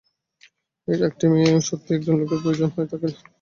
একটি মেয়ের সত্যিই একজন লোকের প্রয়োজন হয় যাতে তাকে এসব বোঝানো যায়।